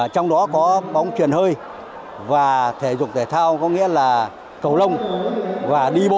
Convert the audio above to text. trong đó có bóng truyền hơi và thể dục thể thao có nghĩa là cầu lông và đi bộ